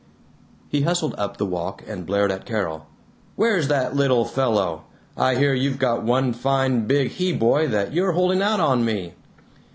He hustled up the walk and blared at Carol, "Where's that little fellow? I hear you've got one fine big he boy that you're holding out on me!"